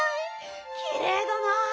きれいだなあ。